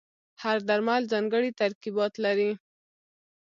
هر درمل ځانګړي ترکیبات لري.